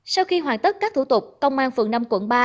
sau khi hoàn tất các thủ tục công an phường năm quận ba